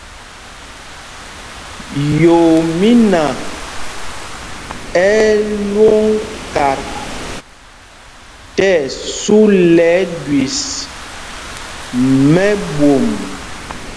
Yoomína ɛ́ ɛ́ lwōŋ kat tí ɛsu lɛ ɛɗüis mɛ́ɓwôm.